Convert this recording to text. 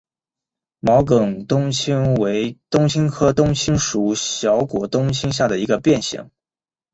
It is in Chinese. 毛梗冬青为冬青科冬青属小果冬青下的一个变型。